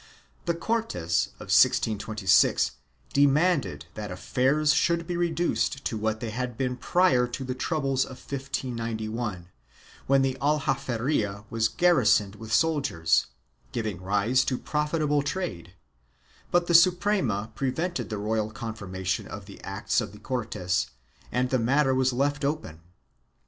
The Cortes of 1626 demanded that affairs should be reduced to what they had been prior to the troubles of 1591, when the Aljaferia was garrisoned with soldiers, giving rise to profitable trade, but the Suprema prevented the royal confirmation of the acts of the Cortes and the matter was left open.